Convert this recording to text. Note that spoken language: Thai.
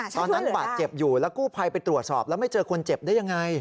ตอนนั้นบาดเจ็บอยู่แล้วกู้ภัยไปตรวจสอบแล้วไม่เจอคนเจ็บได้ยังไง